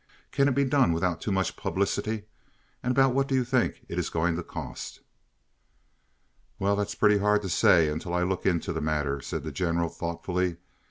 Can it be done without too much publicity, and about what do you think it is going to cost?" "Well, that's pretty hard to say until I look into the matter," said the General, thoughtfully.